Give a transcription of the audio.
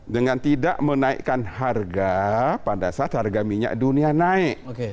dengan tidak menaikkan harga pada saat harga minyak dunia naik